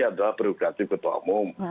adalah prerogatif ketua umum